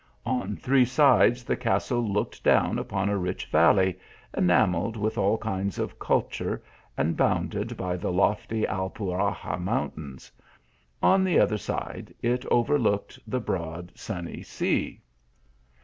On three sides the castle looked down upon a rich valley, enameled with all kinds of culture, and bounded by the lofty Alpuxarra mountains ; on the other side it over looke.d the broad sunny sea.